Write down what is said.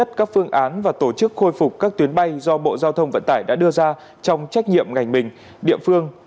tổ chức khôi phục các tuyến bay do bộ giao thông vận tải đã đưa ra trong trách nhiệm ngành mình địa phương